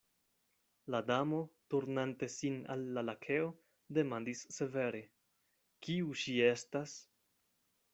La Damo, turnante sin al la Lakeo, demandis severe: "Kiu ŝi estas?"